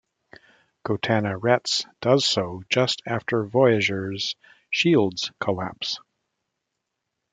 Gotana-Retz does so just after "Voyager's" shields collapse.